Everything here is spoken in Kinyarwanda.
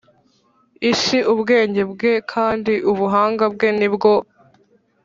Isi ubwenge bwe kandi ubuhanga bwe ni bwo